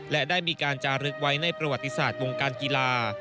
และได้มีการจารึกไว้ในประวัติศาสตร์วงการกีฬา